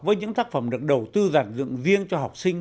với những tác phẩm được đầu tư giản dựng riêng cho học sinh